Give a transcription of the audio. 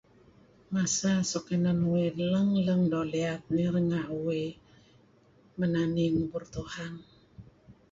Masa suk inan uih lang-lang doo' liyat neh renga' uih menani ngubur Tuhan